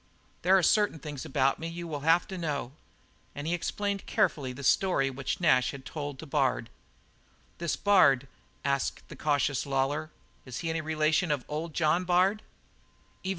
"There are certain things about me you will have to know." And he explained carefully the story which Nash had told to Bard. "This Bard," asked the cautious Lawlor, "is he any relation of old John Bard?"